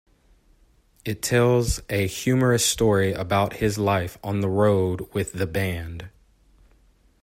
It tells a humorous story about his life on the road with the band.